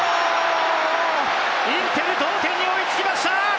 インテル同点に追いつきました！